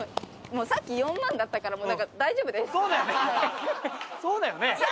もうさっき４万だったから大丈夫ですそうだよね